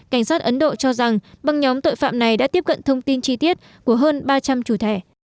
cảnh sát ấn độ cho rằng băng nhóm tội phạm này đã tiếp cận thông tin chi tiết của hơn ba trăm linh chủ thẻ